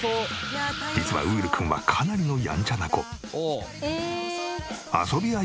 実はウール君はかなりのやんちゃな子。